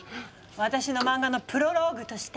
私の漫画のプロローグとして。